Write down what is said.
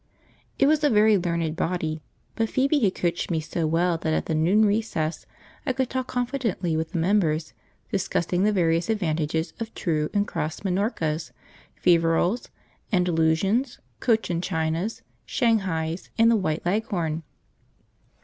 It was a very learned body, but Phoebe had coached me so well that at the noon recess I could talk confidently with the members, discussing the various advantages of True and Crossed Minorcas, Feverels, Andalusians, Cochin Chinas, Shanghais, and the White Leghorn.